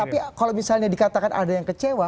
tapi kalau misalnya dikatakan ada yang kecewa